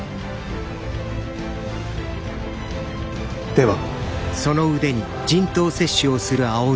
では。